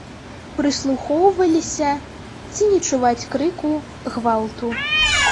Прыслухоўваліся, ці не чуваць крыку, гвалту.